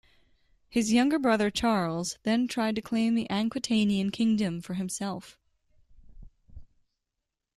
His younger brother, Charles then tried to claim the Aquitainian Kingdom for himself.